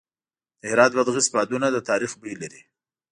د هرات بادغیس بادونه د تاریخ بوی لري.